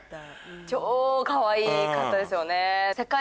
超かわいかったですよね！